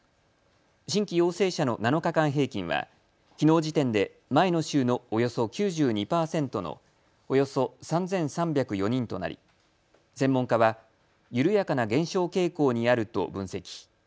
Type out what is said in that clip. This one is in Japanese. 新規陽性者の７日間平均はきのう時点で前の週のおよそ９２％のおよそ３３０４人となり専門家は緩やかな減少傾向にあると分析。